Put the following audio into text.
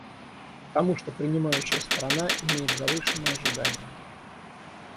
Потому что принимающая страна имеет завышенные ожидания.